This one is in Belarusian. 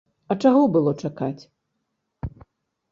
А чаго было чакаць?